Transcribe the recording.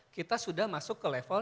kita sudah masuk ke level